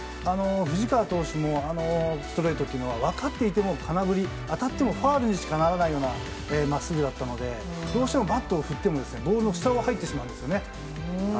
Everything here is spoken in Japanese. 藤川投手のストレートというのは分かっていても空振り当たってもファウルにしかならないようなまっすぐだったのでどうしてもバットを振ってもボールが下に入っていくんですよ。